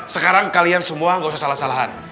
sekarang kalian semua gak usah salah salahan